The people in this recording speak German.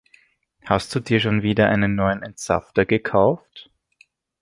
Hast du dir schon wieder einen neuen Entsafter gekauft?